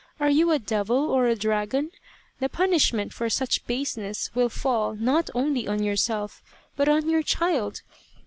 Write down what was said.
Are you a devil or a dragon ? The punish ment for such baseness will fall not only on yourself, but on your child.